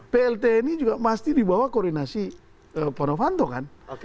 plt ini juga pasti dibawa koordinasi pak novanto kan